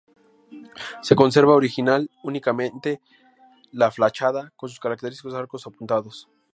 Se conserva original únicamente la fachada, con sus característicos arcos apuntados.